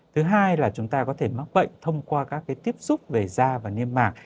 thứ hai là chúng ta có thể mắc bệnh thông qua các cái tiếp xúc về da và nhạc